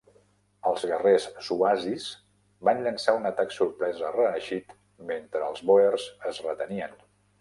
Els guerrers suazis van llançar un atac sorpresa reeixit mentre els boers es retenien.